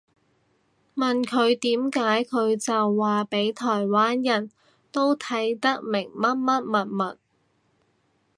問佢點解佢就話畀台灣人都睇得明乜乜物物